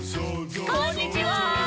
「こんにちは」